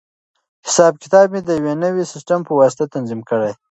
حساب کتاب مې د یوې نوې سیسټم په واسطه تنظیم کړ.